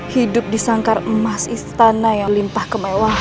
hidup di sangkar emas istana yang limpah kemewahan